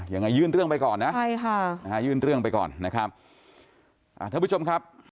ยังไงยื่นเรื่องไปก่อนนะยื่นเรื่องไปก่อนนะครับท่านผู้ชมครับ